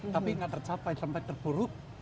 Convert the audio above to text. tapi nggak tercapai sampai terburuk